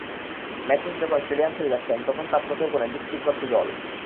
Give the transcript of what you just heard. Match শেষে যখন stadium ছেড়ে যাচ্ছেন, তখনো তাঁর চোখের কোণে চিকচিক করছে জল।